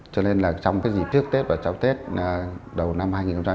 cho nên là trong cái dịp trước tết và cháu tết đầu năm hai nghìn hai mươi